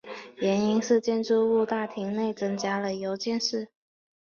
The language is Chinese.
原因是建筑物大厅内增加了邮件室。